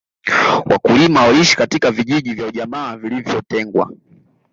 wakulima waliishi katika vijiji vya ujamaa vilivyotengwa